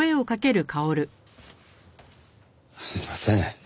すみません